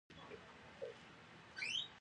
د مغز د مینځلو لپاره د خوب او اوبو ګډول وکاروئ